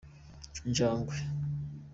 injagwe.